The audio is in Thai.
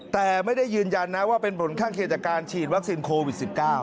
แต่ไม่ได้ยืนยันนะว่าเป็นผลข้างเคียงจากการฉีดวัคซีนโควิด๑๙